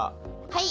はい。